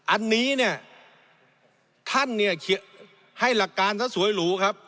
อันนี้เนี่ยท่านเนี่ยให้หลักการซะสวยหรูครับ